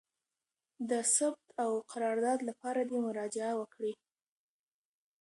د ثبت او قرارداد لپاره دي مراجعه وکړي: